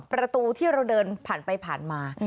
ประตูที่เราเดินผ่านไปผ่านมา